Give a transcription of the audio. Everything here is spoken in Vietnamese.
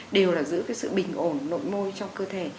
đều là giữ cái sự bình ổn nội môi trong cơ thể